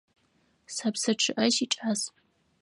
Сэ псы чъыӏэ сикӏас.